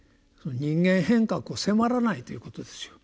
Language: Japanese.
人間変革を迫らないということですよ。